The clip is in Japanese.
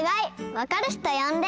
わかる人よんで！